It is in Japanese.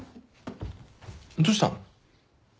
どうしたの？